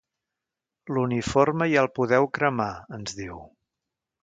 L'uniforme ja el podeu cremar –ens diu–.